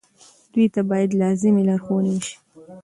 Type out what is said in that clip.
دوی ته باید لازمې لارښوونې وشي.